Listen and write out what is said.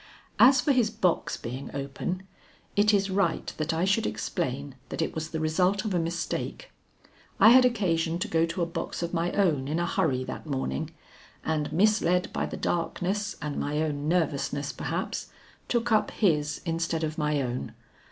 "As for his box being open, it is right that I should explain that it was the result of a mistake. I had occasion to go to a box of my own in a hurry that morning, and misled by the darkness and my own nervousness perhaps, took up his instead of my own.